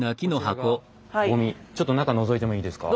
ちょっと中のぞいてもいいですか？